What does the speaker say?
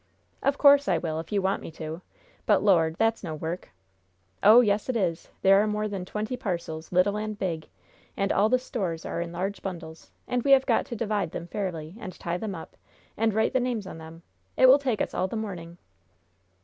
"Of course I will, if you want me to. But, Lord, that's no work!" "Oh, yes, it is. There are more than twenty parcels, little and big. And all the stores are in large bundles, and we have got to divide them fairly, and tie them up, and write the names on them. It will take us all the morning."